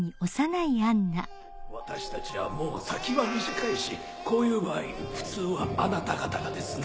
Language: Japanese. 私たちはもう先は短いしこういう場合普通はあなた方がですね。